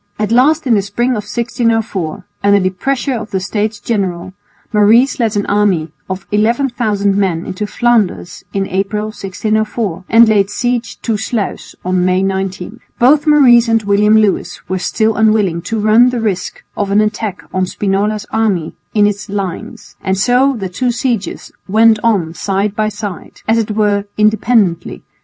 At last in the spring of 1604, under the pressure of the States General, Maurice led an army of 11,000 men into Flanders in April, 1604, and laid siege to Sluis on May 19. Both Maurice and William Lewis were still unwilling to run the risk of an attack on Spinola's army in its lines, and so the two sieges went on side by side, as it were independently.